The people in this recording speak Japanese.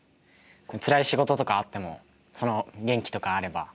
つらい仕事とかあってもその元気とかあれば頑張れそうですか？